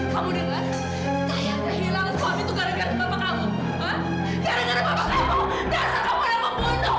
kamu dengar saya yang terhilang suami itu gara gara bapak kamu